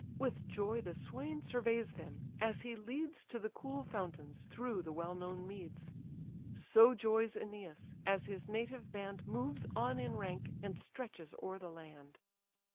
With joy the swain surveys them, as he leads To the cool fountains, through the well known meads: So joys Æneas, as his native band Moves on in rank, and stretches o'er the land.